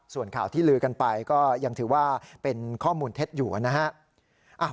ส่วนข่าวที่ลือกันไปก็เป็นข้อมูลเท็จอยู่นะฮะ